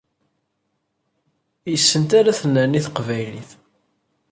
Yes-sent ara tennerni teqbaylit.